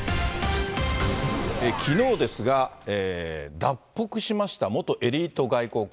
きのうですが、脱北しました元エリート外交官。